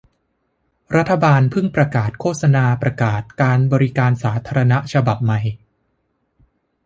รัฐบาลเพิ่งประกาศโฆษณาประกาศการบริการสาธารณะฉบับใหม่